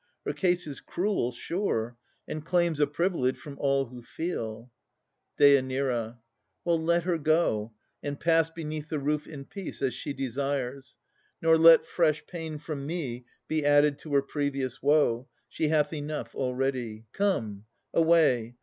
Her case is cruel, sure, And claims a privilege from all who feel. DÊ. Well, let her go, and pass beneath the roof In peace, as she desires; nor let fresh pain From me be added to her previous woe. She hath enough already. Come, away!